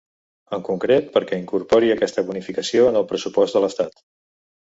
En concret, perquè incorpori aquesta bonificació en el pressupost de l’estat.